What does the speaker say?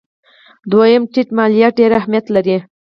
دویم: ټیټ مالیات ډېر اهمیت لري.